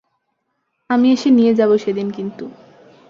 আমি এসে নিয়ে যাবো সেদিন কিন্তু।